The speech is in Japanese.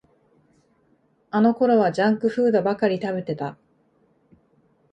あのころはジャンクフードばかり食べてた